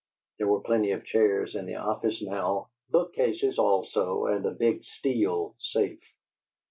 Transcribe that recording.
[There were plenty of chairs in the office now, bookcases also, and a big steel safe.